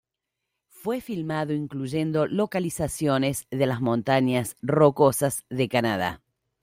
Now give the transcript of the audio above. Fue filmado incluyendo localizaciones de las Montañas Rocosas de Canadá.